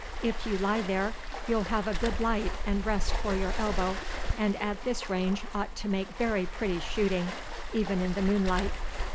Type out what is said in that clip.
If you lie there, you'll have a good light and rest for your elbow, and at this range ought to make very pretty shooting, even in the moonlight.